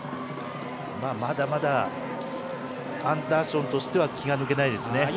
まだまだアンダーションとしては気が抜けないですよね。